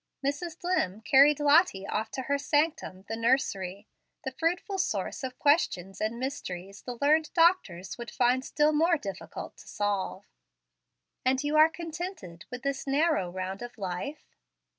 Mrs. Dlimm carried Lottie off to her sanctum, the nursery, the fruitful source of questions and mysteries the learned doctors would find still more difficult to solve. "And you are contented with this narrow round of life?"